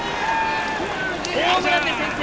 ホームランで先制！